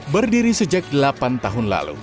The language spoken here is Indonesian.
berdiri sejak delapan tahun lalu